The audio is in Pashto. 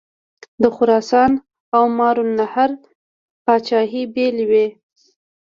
د خراسان او ماوراءالنهر پاچهي بېلې وې.